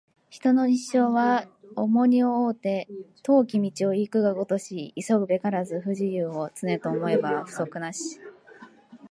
人の一生は重荷を負うて、遠き道を行くがごとし急ぐべからず不自由を、常と思えば不足なし